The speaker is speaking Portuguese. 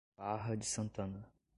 Barra de Santana